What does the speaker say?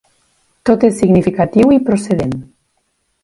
Tot és significatiu i procedent.